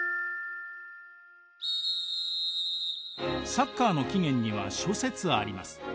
サッカーの起源には諸説あります。